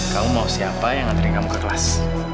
kamu mau siapa yang ngantri kamu ke kelas